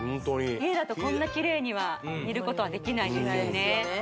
家だとこんなキレイには煮ることはできないですよね